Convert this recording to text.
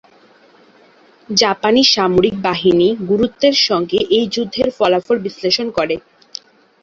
জাপানি সামরিক বাহিনী গুরুত্বের সঙ্গে এই যুদ্ধের ফলাফল বিশ্লেষণ করে।